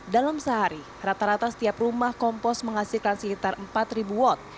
dalam sehari rata rata setiap rumah kompos menghasilkan sekitar empat watt